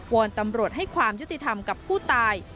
อนตำรวจให้ความยุติธรรมกับผู้ตาย